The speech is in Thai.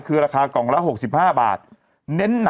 ไม่เล่นภาคสองตายโหงอะ